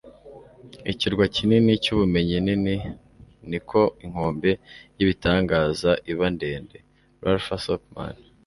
ikirwa kinini cy'ubumenyi nini, niko inkombe y'ibitangaza iba ndende. - ralph w. sockman